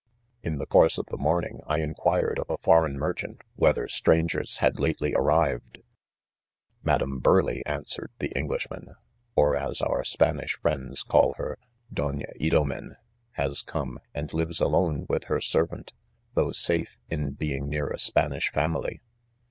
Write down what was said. D18 C0VB1Y* 30 In the course of the morning, 1 enquired of a foreign merchant, whether strangers had lately arrived 1 " Madam Burleigh/ 5 answer ed the Englishman, ox as out Spanish friends call her, "Dona Icbmen" has come, and lives alone, with her servant, though safe in being Sicar a Spanish family.